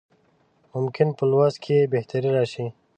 ممکن په لوست کې یې بهتري راشي.